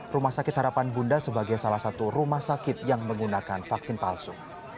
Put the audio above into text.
rumah sakit harapan bunda sebagai salah satu rumah sakit yang menggunakan vaksin palsu